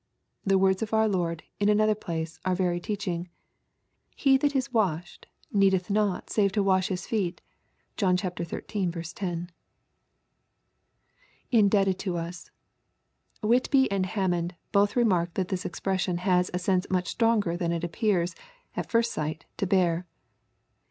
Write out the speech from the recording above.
The words of our Lord, in another place, are very teaching :" He that is washed, needeth not save to wash his feet." (John xiiL 10.) [Indebted to tts.] Whitby and Hammond both remark that this expression has a sense much stronger than it appears, at first sight, to bear.